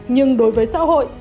nhưng đối với xã hội